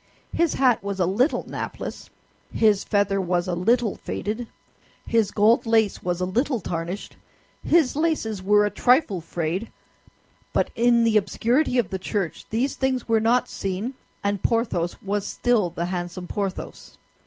His hat was a little napless, his feather was a little faded, his gold lace was a little tarnished, his laces were a trifle frayed; but in the obscurity of the church these things were not seen, and Porthos was still the handsome Porthos.